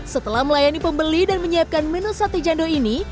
setelah melayani pembeli dan menyiapkan menu sate jando ini